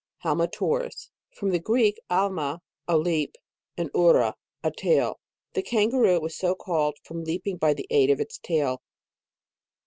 IlALMATURUs.~From the Greek alma, a leap, and oura, a tail. The Kan garoo is so called from leaping by the aid of its tail.